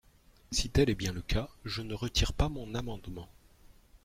Si tel est bien le cas, je ne retire pas mon amendement.